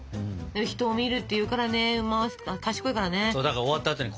人を見るっていうからね馬は賢いからね。